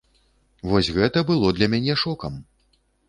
Вось гэта было для мяне шокам!